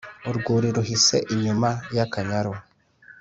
urwuri ruhise inyuma y’akanyaru